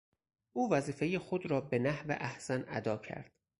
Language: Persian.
او وظیفهٔ خود را بنحو احسن اداء کرد.